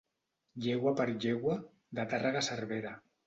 Llegua per llegua, de Tàrrega a Cervera.